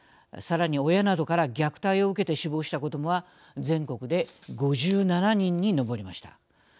さらに、親などから虐待を受けて死亡した子どもは全国で５７人に上りました。